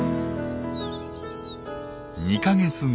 ２か月後。